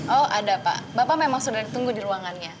oh ada pak bapak memang sudah ditunggu di ruangannya